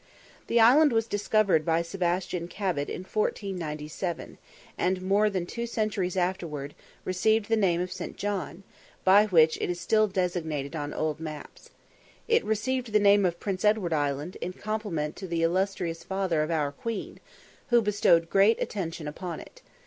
This island was discovered by Sebastian Cabot in 1497, and more than two centuries afterwards received the name of St. John, by which it is still designated in old maps. It received the name of Prince Edward Island in compliment to the illustrious father of our Queen, who bestowed great attention upon it.